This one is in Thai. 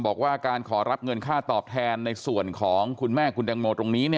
บอกว่าการขอรับเงินค่าตอบแทนในส่วนของคุณแม่คุณแตงโมตรงนี้